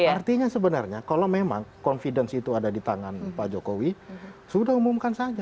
artinya sebenarnya kalau memang confidence itu ada di tangan pak jokowi sudah umumkan saja